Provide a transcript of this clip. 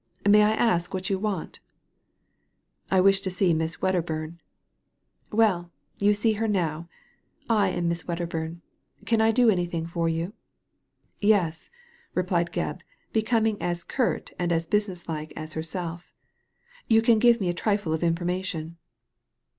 " May I ask what you want ?"" I wish to see Miss Wedderburn.'* "Well, you see her now. I am Miss Wedderbum. Can I do an)rthing for you ?"Yes," replied Gebb, becoming as curt and as business like as herself, " you can give me a trifle of information."